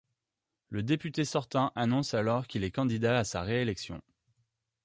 Le député sortant annonce alors qu'il est candidat à sa réélection.